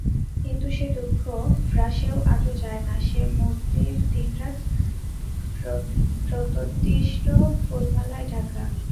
কিন্তু সে দুঃখ ফ্রাঁসের আজও যায় না, সে মূর্তি দিনরাত প্রেতোদ্দিষ্ট ফুলমালায় ঢাকা।